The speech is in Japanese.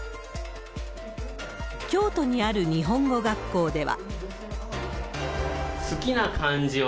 京都にある日本語学校では。